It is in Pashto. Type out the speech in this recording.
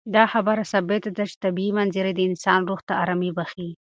دا خبره ثابته ده چې طبیعي منظرې د انسان روح ته ارامي بښي.